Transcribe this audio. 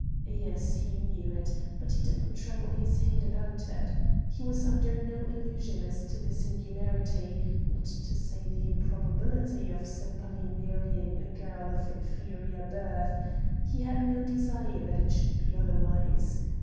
Yes, he knew it, but he did not trouble his head about it. He was under no illusion as to the singularity, not to say the improbability of Sempaly marrying a girl of inferior birth; he had no desire that it should be otherwise.